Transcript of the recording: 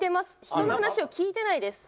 人の話を聞いてないです。